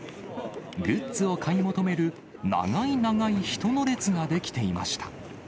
グッズを買い求める長い長い人の列が出来ていました。